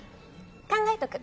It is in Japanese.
考えとく。